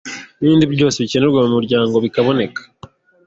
n’ibindi byose bikenerwa mu muryango bikaboneka.